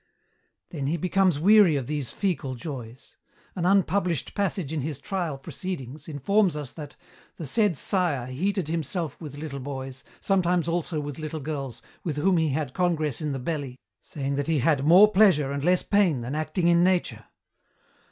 "Then he becomes weary of these fecal joys. An unpublished passage in his trial proceedings informs us that 'The said sire heated himself with little boys, sometimes also with little girls, with whom he had congress in the belly, saying that he had more pleasure and less pain than acting in nature.'